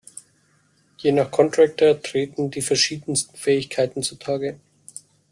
Je nach Contractor treten die verschiedensten Fähigkeiten zu Tage.